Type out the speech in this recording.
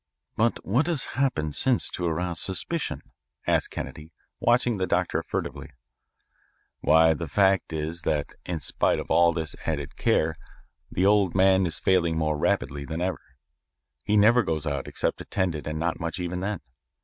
"But what has happened since to arouse suspicion?" asked Kennedy, watching the doctor furtively. "Why, the fact is that, in spite of all this added care, the old man is failing more rapidly than ever. He never goes out except attended and not much even then.